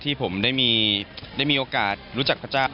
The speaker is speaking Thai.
ที่ผมได้มีโอกาสรู้จักพระเจ้า